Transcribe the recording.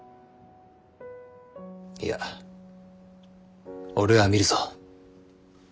いや俺は見るぞ。